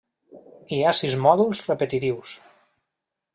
Hi ha sis mòduls repetitius.